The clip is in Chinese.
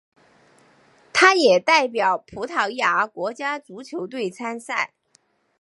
他也代表葡萄牙国家足球队参赛。